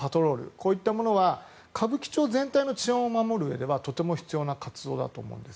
こういったものは歌舞伎町全体の治安を守るうえではとても必要な活動だと思うんです。